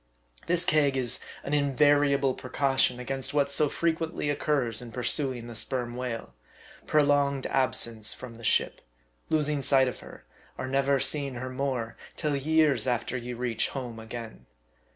This keg is an in variable precaution against what so frequently occurs in pursuing the sperm whale prolonged absence from the ship, losing sight of her, or never seeing her more, till years after you reach home again.